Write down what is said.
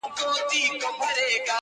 او ادب پوهان، د پښتو په کلاسیک ادب کي -